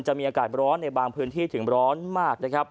จะมีอากาศร้อนในบางพื้นที่ถึงร้อนมากนะครับ